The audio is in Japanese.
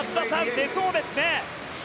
出そうです。